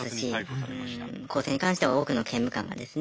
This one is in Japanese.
更生に関しては多くの刑務官がですね